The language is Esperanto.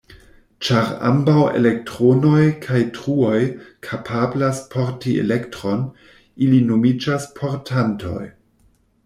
Ĉar ambaŭ elektronoj kaj truoj kapablas porti elektron, ili nomiĝas "portantoj".